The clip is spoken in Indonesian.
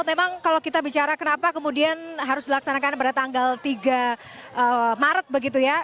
memang kalau kita bicara kenapa kemudian harus dilaksanakan pada tanggal tiga maret begitu ya